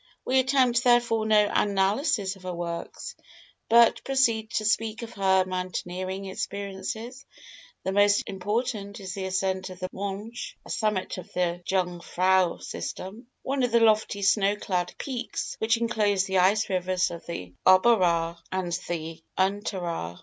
We attempt therefore, no analysis of her works, but proceed to speak of her mountaineering experiences: the most important is the ascent of the Mönch, a summit of the Jungfrau system one of the lofty snow clad peaks which enclose the ice rivers of the Oberaar and the Unteraar.